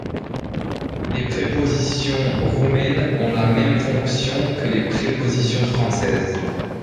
Les prépositions roumaines ont la même fonction que les prépositions françaises.